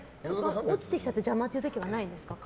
落ちてきちゃって邪魔って時はないんですか？